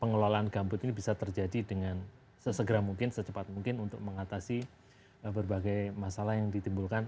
pengelolaan gambut ini bisa terjadi dengan sesegera mungkin secepat mungkin untuk mengatasi berbagai masalah yang ditimbulkan